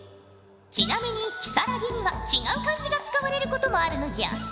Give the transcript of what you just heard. ちなみに如月には違う漢字が使われることもあるのじゃ。